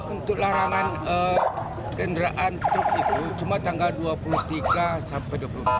untuk larangan kendaraan truk itu cuma tanggal dua puluh tiga sampai dua puluh empat